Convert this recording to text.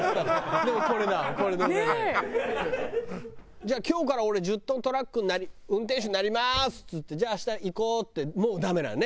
じゃあ「今日から俺１０トントラック運転手になります！」っつってじゃあ明日行こうってもうダメなのね。